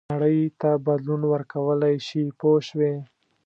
نړۍ ته بدلون ورکولای شي پوه شوې!.